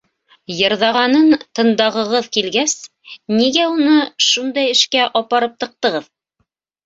Йырҙағанын тындағығыҙ килгәс, нигә уны шундай эшкә апарып тыҡтығыҙ?!